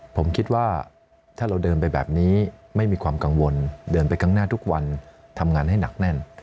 ผมคิดว่าถ้าเราเดินไปแบบนี้ไม่มีความกังวลเดินไปข้างหน้าทุกวันทำงานให้หนักแน่น